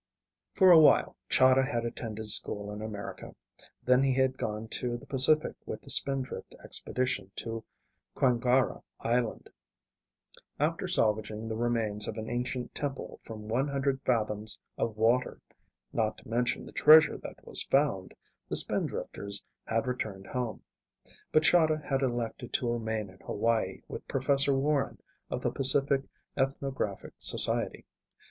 For a while Chahda had attended school in America, then he had gone to the Pacific with the Spindrift expedition to Kwangara Island. After salvaging the remains of an ancient temple from one hundred fathoms of water not to mention the treasure that was found the Spindrifters had returned home. But Chahda had elected to remain in Hawaii with Professor Warren of the Pacific Ethnographic Society.